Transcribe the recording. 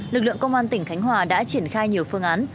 lực lượng công an tỉnh khánh hòa đã triển khai nhiều phương án